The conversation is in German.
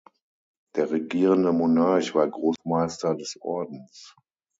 Der regierende Monarch war Großmeister des Ordens.